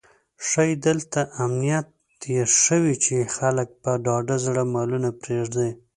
ښایي دلته امنیت یې ښه وي چې خلک په ډاډه زړه مالونه پرېږدي.